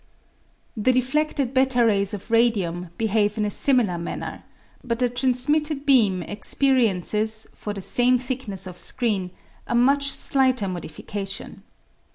The defledled ;8 rays of radium behave in a similar manner, but the transmitted beam experiences, for the same thickness of screen, a much slighter modification.